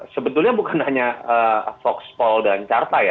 sebetulnya bukan hanya voxpol dan carta ya